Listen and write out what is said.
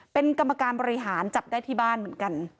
เป็นกรรมการบริหารจับได้ที่บ้านเหมือนกัน